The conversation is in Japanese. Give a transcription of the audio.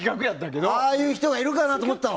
ああいう人がいるかなって思ったの。